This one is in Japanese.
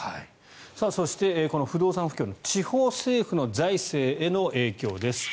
そして、この不動産不況の地方政府の財政への影響です。